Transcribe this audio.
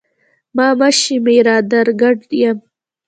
ما مه شمېره در ګډ یم